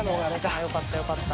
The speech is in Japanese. よかったよかった。